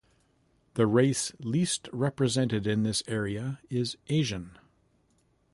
The race least represented in this area is Asian.